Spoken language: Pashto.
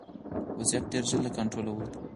وضعیت ډېر ژر له کنټروله ووت.